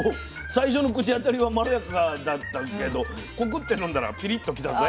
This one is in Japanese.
最初の口当たりはまろやかだったんですけどコクッて飲んだらピリッと来たぜ。